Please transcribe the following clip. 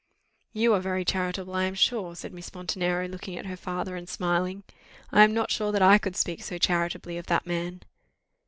"You are very charitable, I am sure," said Miss Montenero, looking at her father, and smiling: "I am not sure that I could speak so charitably of that man."